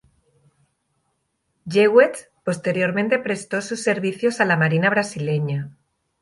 Jewett posteriormente prestó sus servicios a la marina brasileña.